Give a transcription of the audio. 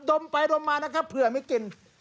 มไปดมมานะครับเผื่อไม่กิน